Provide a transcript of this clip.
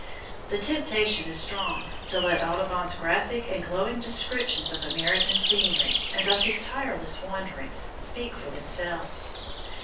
The temptation is strong to let Audubon's graphic and glowing descriptions of American scenery, and of his tireless wanderings, speak for themselves.